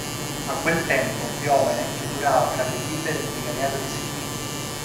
A quel tempo Piovene figurava fra le "ville" del Vicariato di Schio.